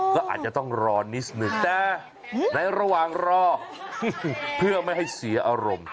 ก็อาจจะต้องรอนิดหนึ่งแต่ในระหว่างรอเพื่อไม่ให้เสียอารมณ์